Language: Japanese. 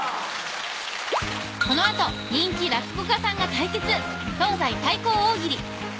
この後人気落語家さんが対決東西対抗大喜利！